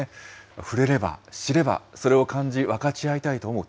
触れれば、知れば、それを感じ、分かち合いたいと思う。